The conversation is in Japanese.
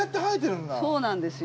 そうなんですよ。